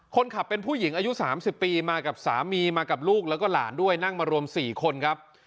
คนขับเป็นผู้หญิงอายุ๓๐ปีมากับสามีมากับลูกแล้วก็หลานด้วยนั่งมารวม๔คนครับ